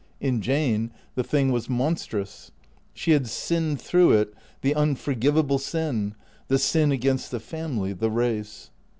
In Jane the thing was monstrous. She had sinned through it the unfor givable sin, the sin against the family, the race.